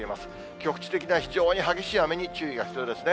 局地的な、非常に激しい雨に注意が必要ですね。